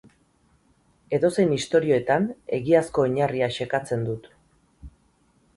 Edozein ixtorioetan, egiazko oinarria xekatzen dut.